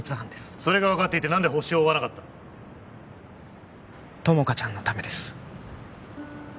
それが分かっていて何でホシを追わなかった友果ちゃんのためです